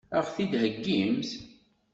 Ad ɣ-t-id-heggimt?